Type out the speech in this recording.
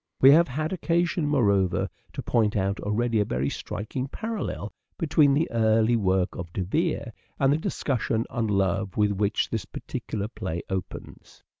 We have had occasion, moreover, to point out already a very striking parallel between the early work of De Vere and the discussion on love with which this particular play opens.